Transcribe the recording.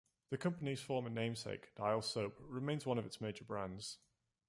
The company's former namesake, Dial soap, remains one of its major brands.